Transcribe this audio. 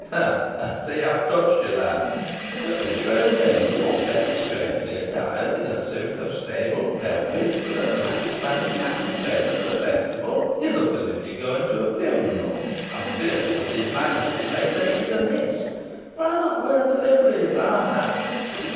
Ha! I see I have touched you, lad. But, beshrew me, you are very strangely attired in a suit of sable velvet, with a black Spanish hat and feather, for a festival! You look as if going to a funeral I am fearful his Majesty may take it amiss. Why not wear the livery of our house?"